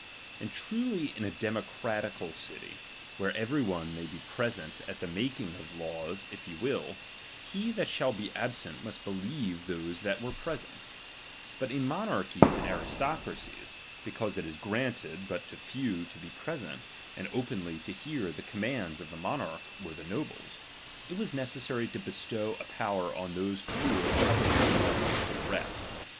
And truly in a democratical city, where every one may be present at the making of laws if he will, he that shall be absent, must believe those that were present. But DOMINION. 193 ill monarchies and aristocracies, because it is chap, xiv, granted but to few to be present, and openly to p^^^^, ■^^^^ hear the commauds of the monarch or the }iobles,'»"^'"<"7"^^ it was necessary to bestow a power on those few BorvmiLeiinuw of publisliine; them to the rest.